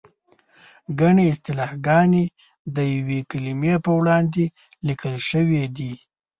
ګڼې اصطلاحګانې د یوې کلمې په وړاندې لیکل شوې دي.